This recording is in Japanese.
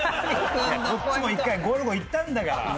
こっちも一回『ゴルゴ』いったんだから。